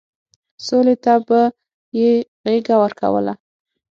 سولې ته به يې غېږه ورکوله.